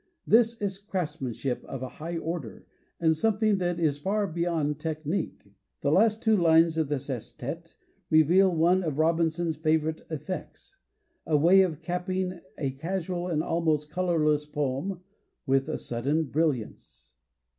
This is craftsman ship of a high order — and something that is far beyond technique. The last two lines of the sestet reveal one of Robinson's favorite effects ; a way of capping a casual and almost colorless poem with a sudden brilliance.